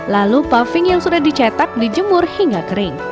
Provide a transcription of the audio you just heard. lalu paving yang sudah dicetak dijemur hingga kering